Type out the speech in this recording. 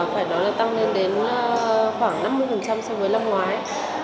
phải nói là tăng lên đến khoảng năm mươi so với năm ngoái